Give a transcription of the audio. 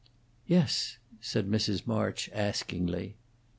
"Yes," said Mrs. March, askingly.